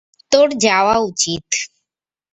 তোর যাওয়া উচিত।